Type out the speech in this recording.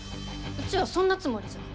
うちはそんなつもりじゃ。